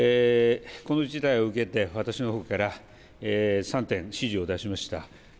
この事態を受けて私のほうから３点、指示を出しました。